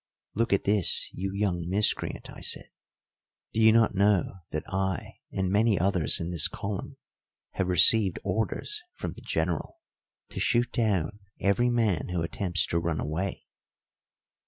"Look at this, you young miscreant," I said. "Do you not know that I and many others in this column have received orders from the General to shoot down every man who attempts to run away?"